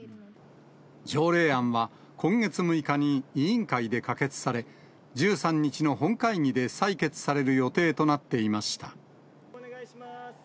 条例案は今月６日に委員会で可決され、１３日の本会議で採決される予定となっていました。